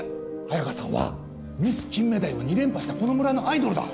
綾香さんはミス金目鯛を２連覇したこの村のアイドルだ！